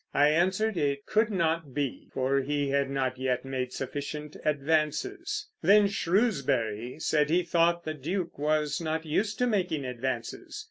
I answered it could not be, for he had not yet made sufficient advances; then Shrewsbury said he thought the Duke was not used to make advances.